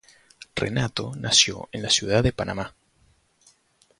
Renato nació en la Ciudad de Panamá.